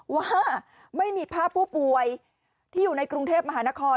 ว่าไม่มีภาพผู้ป่วยที่อยู่ในกรุงเทพมหานคร